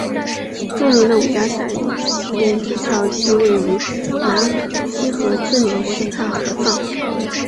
著名的五家寨人字桥即位于南溪河支流四岔河上。